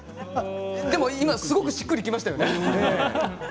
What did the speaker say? でも今すごくしっくりきましてね。